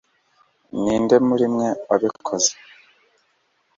ninde muri mwe wabikoze